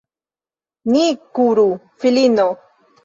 Ni kuru, filino!